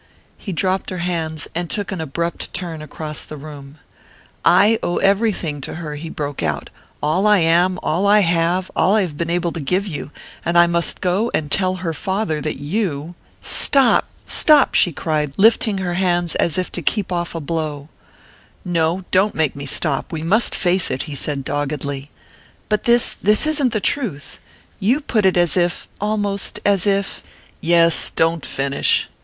He dropped her hands and took an abrupt turn across the room. "I owe everything to her," he broke out, "all I am, all I have, all I have been able to give you and I must go and tell her father that you...." "Stop stop!" she cried, lifting her hands as if to keep off a blow. "No don't make me stop. We must face it," he said doggedly. "But this this isn't the truth! You put it as if almost as if " "Yes don't finish.